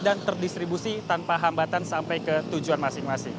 dan terdistribusi tanpa hambatan sampai ke tujuan masing masing